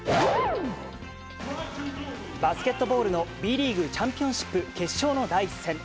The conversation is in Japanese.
バスケットボールのＢリーグチャンピオンシップ決勝の第１戦。